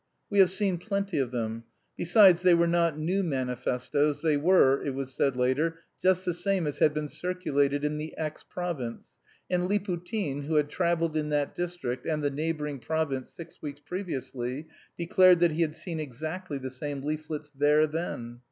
We have seen plenty of them. Besides, they were not new manifestoes; they were, it was said later, just the same as had been circulated in the X province, and Liputin, who had travelled in that district and the neighbouring province six weeks previously, declared that he had seen exactly the same leaflets there then.